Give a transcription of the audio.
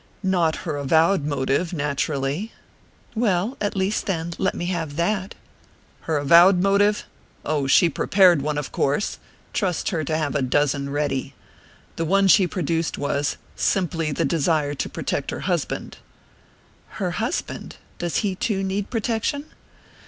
"Not her avowed motive, naturally." "Well at least, then, let me have that." "Her avowed motive? Oh, she'd prepared one, of course trust her to have a dozen ready! The one she produced was simply the desire to protect her husband." "Her husband? Does he too need protection?"